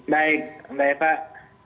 baik baik pak